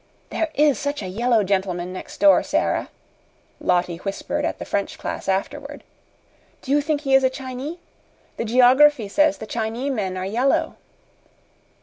"There is such a yellow gentleman next door, Sara," Lottie whispered at the French class afterward. "Do you think he is a Chinee? The geography says the Chinee men are yellow."